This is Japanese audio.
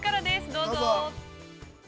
どうぞ！